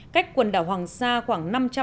cách quần đảo hoàng sa khoảng